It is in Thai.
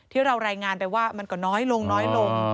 ที่เรารายงานไปว่ามันก็น้อยลงน้อยลง